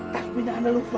hah tasbihnya anda lupa